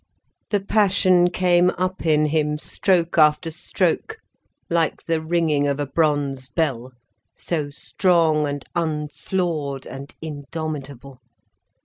The passion came up in him, stroke after stroke, like the ringing of a bronze bell, so strong and unflawed and indomitable.